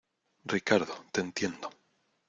Ricardo, te entiendo.